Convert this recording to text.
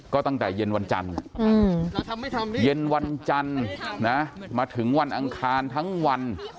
ก็ตั้งแต่เย็นวันจันทร์เย็นวันจันทร์มาถึงวันอังคารทั้งวัน